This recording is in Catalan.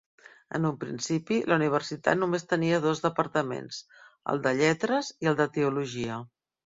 En un principi, la universitat només tenia dos departaments, el de Lletres i el de Teologia.